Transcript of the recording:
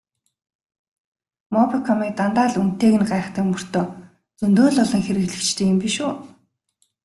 Мобикомыг дандаа л үнэтэйг нь гайхдаг мөртөө зөндөө л олон хэрэглэгчтэй юм биш үү?